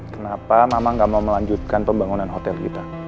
kenapa memang gak mau melanjutkan pembangunan hotel kita